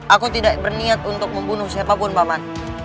aku tidak berniat untuk membunuh siapapun paman